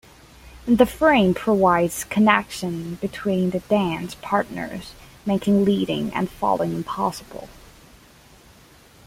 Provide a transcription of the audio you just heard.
The frame provides connection between the dance partners, making leading and following possible.